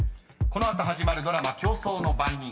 ［この後始まるドラマ『競争の番人』